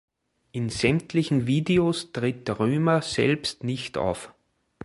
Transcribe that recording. In sämtlichen Videos tritt Römer selbst nicht auf.